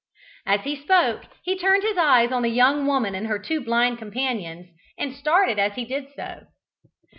As he spoke, he turned his eyes on the young woman and her two blind companions, and started as he did so.